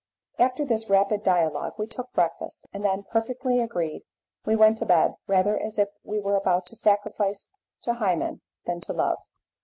After this rapid dialogue we took breakfast, and then, perfectly agreed, we went to bed, rather as if we were about to sacrifice to Hymen than to love.